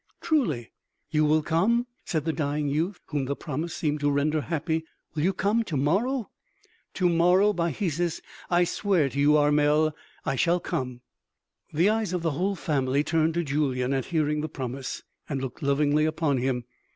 "Truly ... you will come?" said the dying youth, whom the promise seemed to render happy; "will you come ... to morrow?" "To morrow, by Hesus.... I swear to you, Armel, I shall come." The eyes of the whole family turned to Julyan at hearing the promise, and looked lovingly upon him.